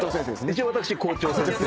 一応私校長先生。